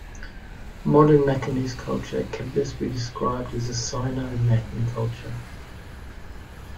Modern Macanese culture can be best described as a Sino-Latin culture.